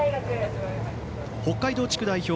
北海道地区代表。